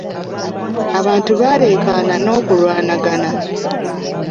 Abantu baleekaana n'okulwanagana.